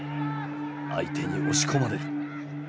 相手に押し込まれる。